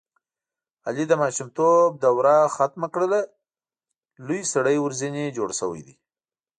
علي د ماشومتوب دروه ختمه کړله لوی سړی ورځنې جوړ شوی دی.